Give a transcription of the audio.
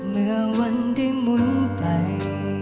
เมื่อวันที่หมุนไป